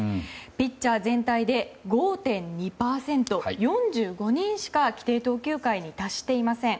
ピッチャー全体で５．２％４５人しか規定投球回に達していません。